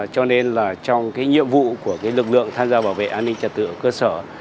cho nên trong nhiệm vụ của lực lượng tham gia bảo vệ an ninh trật tự ở cơ sở